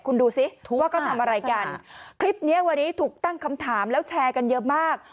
คุณดูสิว่าเขาทำอะไรกันคลิปเนี้ยวันนี้ถูกตั้งคำถามแล้วแชร์กันเยอะมาก